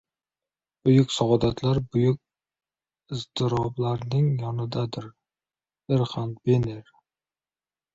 Buyuk saodatlar buyuk iztiroblarning yonidadir. Erhan Bener